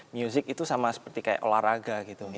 music itu sama seperti kayak olahraga gitu